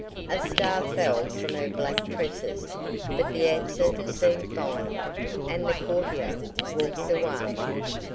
A star fell from her black tresses, but the answer seemed final, and the courtier walked away.